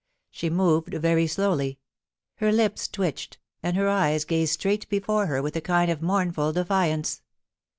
She moved very slowly ; her lips twitched, and her eyes gazed straight before her with a kind of mournful defiance.